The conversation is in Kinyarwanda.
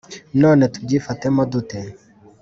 none tubyifatemo dute